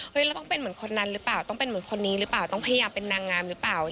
เราต้องเป็นเหมือนคนนั้นหรือเปล่าต้องเป็นเหมือนคนนี้หรือเปล่าต้องพยายามเป็นนางงามหรือเปล่า